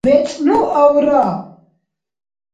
вецӀну авра